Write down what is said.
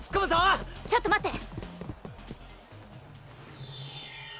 ちょっと待って！